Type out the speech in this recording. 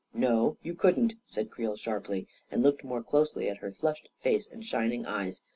"No, you couldn't," said Creel sharply, and looked more closely at her flushed face and shining eyes.